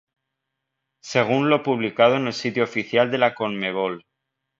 Según lo publicado en el sitio oficial de la Conmebol.